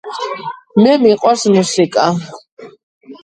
მე მიყვარს მუსიკა